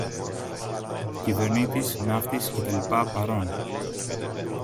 Κυβερνήτης, ναύτης και τα λοιπά, παρών!